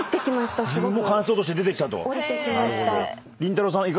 自分の感想として出てきたと。